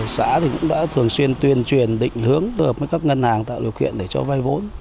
xã cũng đã thường xuyên tuyên truyền định hướng được các ngân hàng tạo điều kiện để cho vai vốn